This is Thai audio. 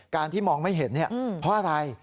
ที่มองไม่เห็นเพราะอะไร